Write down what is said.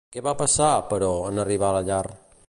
Què va passar, però, en arribar a la llar?